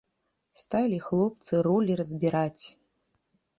Сталі хлопцы ролі разбіраць.